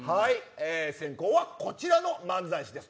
先攻はこちらの漫才師です。